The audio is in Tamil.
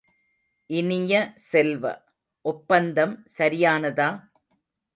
இனிய செல்வ, ஒப்பந்தம் சரியானதா?